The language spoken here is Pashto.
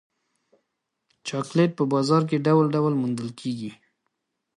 چاکلېټ په بازار کې ډول ډول موندل کېږي.